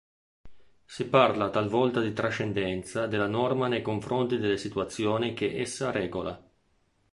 Si parla talvolta di trascendenza della norma nei confronti delle situazioni che essa regola.